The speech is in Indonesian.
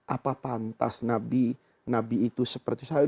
apa pantas nabi nabi itu seperti saya